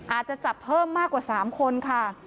อาจจะจับเพิ่มมากกว่า๓คนค่ะ